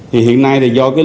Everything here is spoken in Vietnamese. thì hiện nay thì do cái